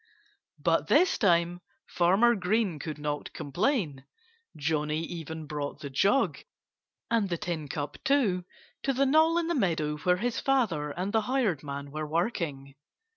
But this time Farmer Green could not complain. Johnnie even brought the jug and the tin cup too to the knoll in the meadow where his father and the hired man were working.